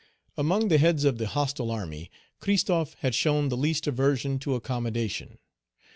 Among the heads of the hostile army, Christophe had shown the least aversion to accommodation.